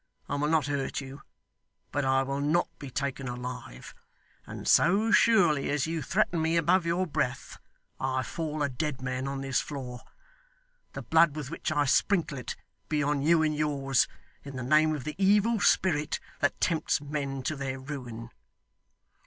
I will not hurt you. But I will not be taken alive; and so surely as you threaten me above your breath, I fall a dead man on this floor. The blood with which I sprinkle it, be on you and yours, in the name of the Evil Spirit that tempts men to their ruin!